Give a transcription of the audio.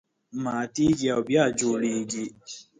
ماتېږي او بیا جوړېږي.